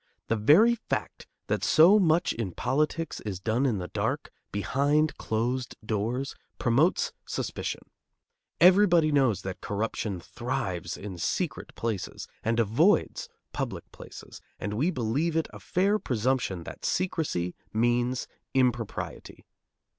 The very fact that so much in politics is done in the dark, behind closed doors, promotes suspicion. Everybody knows that corruption thrives in secret places, and avoids public places, and we believe it a fair presumption that secrecy means impropriety.